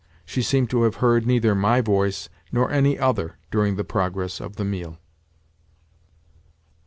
She seemed to have heard neither my voice nor any other during the progress of the meal.